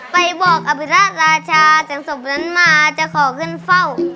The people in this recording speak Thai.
ไปบอกอภิระราชาจากศพนั้นมาจะขอขึ้นเฝ้า